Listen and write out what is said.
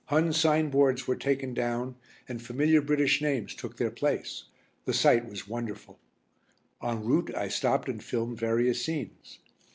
Hun signboards were taken down and familiar British names took their place. The sight was wonderful. En route I stopped and filmed various scenes.